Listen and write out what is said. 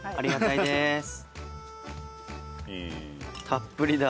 たっぷりだ。